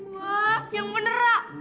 wah yang bener ra